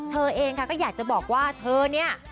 เธอเองค่ะก็อยากจะบอกว่าเธอเนี่ย